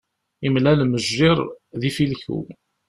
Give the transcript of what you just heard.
Imlal mejjir d ifilku.